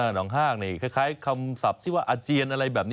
หนองห้างนี่คล้ายคำศัพท์ที่ว่าอาเจียนอะไรแบบนี้